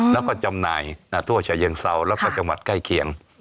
แล้วก็จำหน่ายทั่วฉะเชิงเซาแล้วก็จังหวัดใกล้เคียง